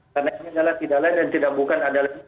karena ini adalah tidak lain dan tidak bukan adalah